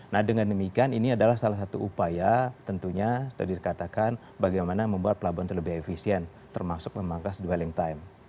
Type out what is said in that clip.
nah dengan demikian ini adalah salah satu upaya tentunya tadi dikatakan bagaimana membuat pelabuhan itu lebih efisien termasuk memangkas dwelling time